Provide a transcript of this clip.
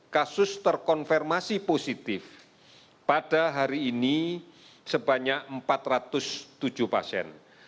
kasus terkonfirmasi positif pada hari ini sebanyak empat ratus tujuh pasien